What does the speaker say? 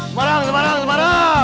semarang semarang semarang